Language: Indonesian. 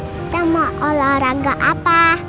kita mau olahraga apa